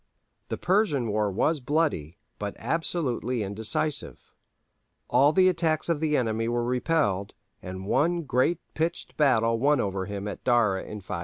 The Persian war was bloody, but absolutely indecisive. All the attacks of the enemy were repelled, and one great pitched battle won over him at Dara in 530.